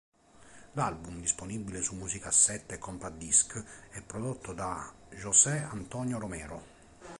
L'album, disponibile su musicassetta e compact disc, è prodotto da José Antonio Romero.